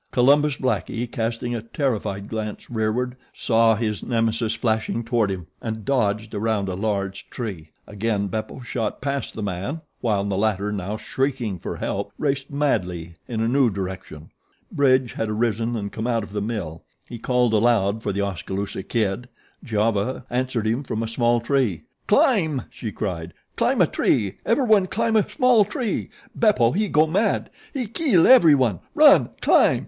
Columbus Blackie, casting a terrified glance rearward, saw his Nemesis flashing toward him, and dodged around a large tree. Again Beppo shot past the man while the latter, now shrieking for help, raced madly in a new direction. Bridge had arisen and come out of the mill. He called aloud for The Oskaloosa Kid. Giova answered him from a small tree. "Climb!" she cried. "Climb a tree! Ever'one climb a small tree. Beppo he go mad. He keel ever'one. Run! Climb!